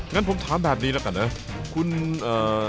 งั้นผมถามแบบนี้แล้วกันนะคุณเอ่อ